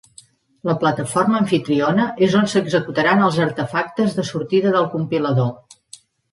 La "plataforma amfitriona" és on s'executaran els artefactes de sortida del compilador.